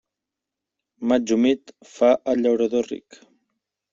Maig humit fa al llaurador ric.